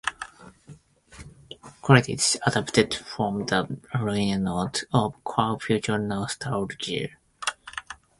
Credits adapted from the liner notes of "Club Future Nostalgia".